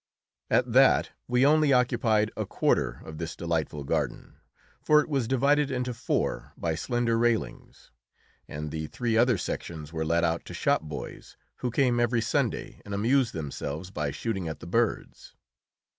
At that we only occupied a quarter of this delightful garden, for it was divided into four by slender railings, and the three other sections were let out to shopboys, who came every Sunday and amused themselves by shooting at the birds.